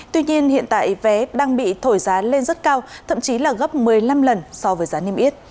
tuy nhiên hiện tại vé đang bị thổi giá lên rất cao thậm chí là gấp một mươi năm lần so với giá niêm yết